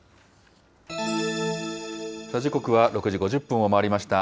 時刻は６時５０分を回りました。